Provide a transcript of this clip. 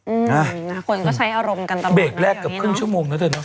อืมคนก็ใช้อารมณ์กันตลอดนะอย่างนี้เนอะเบรกแรกกับครึ่งชั่วโมงแล้วเถอะเนอะ